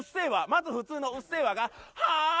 まず普通の「うっせぇわ」がはぁ？